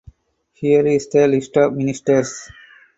Here is the list of ministers.